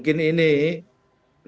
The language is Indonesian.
dan juga dianggap sebagai perempuan